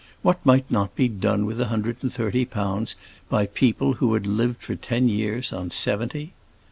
What might not be done with a hundred and thirty pounds by people who had lived for ten years on seventy?